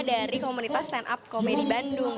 dari komunitas stand up komedi bandung